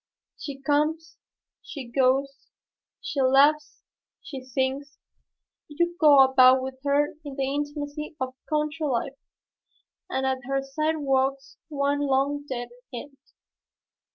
She comes, she goes, she laughs, she sings, you go about with her in the intimacy of country life, and at her side walks one long dead.